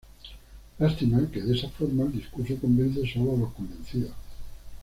Lástima que de esa forma, el discurso convence solo a los convencidos.